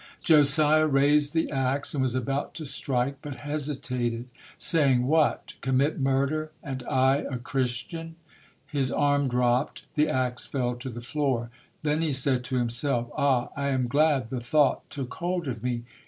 Josiah raised the ax and was about to strike, but hesitated, saying, "What, commit murder, and I a Christian?" His arm dropped, the ax fell to the floor. Then he said to himself, "Ah, I am glad the thought took hold of me.